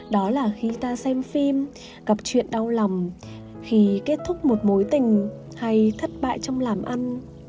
đó là khi ta xem phim gặp chuyện đau lòng khi kết thúc một mối tình hay thất bại trong làm ăn